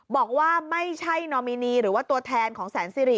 บอกว่าไม่ใช่นอมินีหรือว่าตัวแทนของแสนสิริ